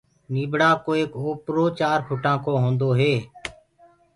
نيٚڀڙآ ڪو ايڪ اوپرو چآر ڦٽآ ڪو هونٚدو هي